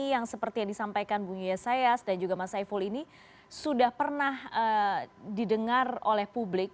yang seperti yang disampaikan bu yesayas dan juga mas saiful ini sudah pernah didengar oleh publik